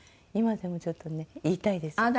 今でもちょっとね言いたいです。